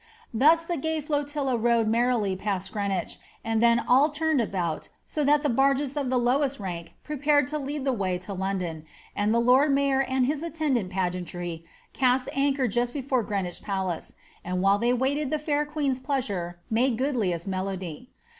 Thus the gay flotilla rowed merrily past Greenwich, and led about, so that the barges of the lowest rank prepared to ly back to London, and the lord mayor and his attendant suit anchor just before Greenwich Palace, and while they air queen's pleasure made the goodliest melody.